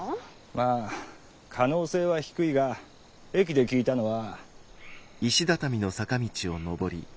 まあ可能性は低いが駅で聞いたのは。